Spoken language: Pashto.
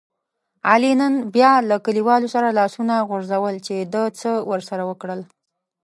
علي نن بیا له کلیوالو سره لاسونه غورځول چې ده څه ورسره وکړل.